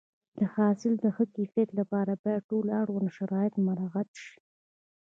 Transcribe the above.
د حاصل د ښه کیفیت لپاره باید ټول اړوند شرایط مراعات شي.